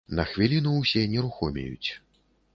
На хвіліну ўсе нерухомеюць.